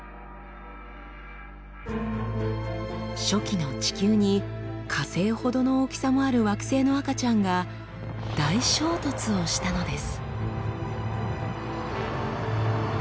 初期の地球に火星ほどの大きさもある惑星の赤ちゃんが大衝突をしたのです。